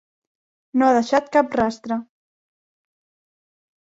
No ha deixat cap rastre.